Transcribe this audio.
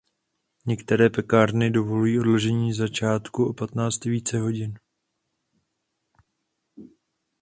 Některé pekárny dovolují odložení začátku o patnáct i více hodin.